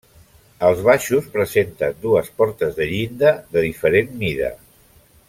Els baixos presenten dues portes de llinda de diferent mida.